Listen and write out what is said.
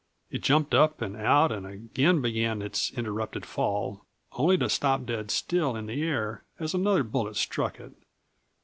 It jumped up and out and again began its interrupted fall, only to stop dead still in the air as another bullet struck it.